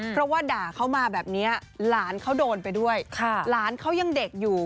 เพราะว่าด่าเขามาแบบนี้หลานเขาโดนไปด้วยหลานเขายังเด็กอยู่